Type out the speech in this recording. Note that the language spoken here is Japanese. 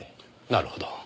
なるほど。